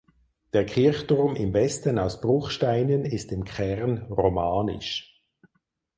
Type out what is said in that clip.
Der Kirchturm im Westen aus Bruchsteinen ist im Kern romanisch.